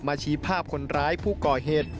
ชี้ภาพคนร้ายผู้ก่อเหตุ